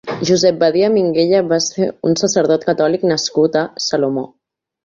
Josep Badia Minguella va ser un sacerdot catòlic nascut a Salomó.